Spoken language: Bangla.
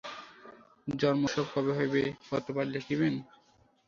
জন্মোৎসব কবে হইবে পত্রপাঠ লিখিবেন।